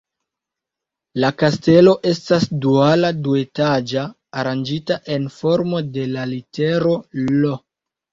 La kastelo estas duala, duetaĝa, aranĝita en formo de la litero "L".